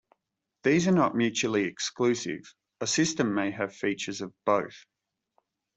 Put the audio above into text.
These are not mutually exclusive; a system may have features of both.